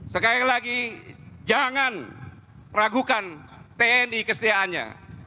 sekali lagi jangan ragukan tni kesetiaannya